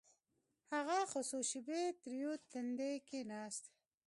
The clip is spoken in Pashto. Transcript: هغه څو شېبې تريو تندى کښېناست.